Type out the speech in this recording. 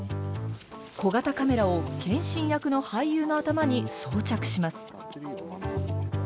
小型カメラを謙信役の俳優の頭に装着します。